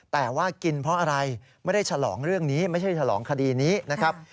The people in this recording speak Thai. แต่ว่ากินเพราะอะไรไม่ได้ฉลองเรื่องนี้ไม่ใช่ฉลองคดีนี้นะครับ